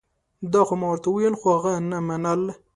دا خو ما ورته وویل خو هغه نه منل